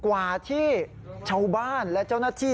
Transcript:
กว่าที่ชาวบ้านและเจ้าหน้าที่